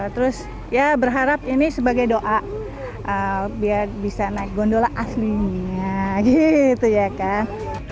terus ya berharap ini sebagai doa biar bisa naik gondola aslinya gitu ya kan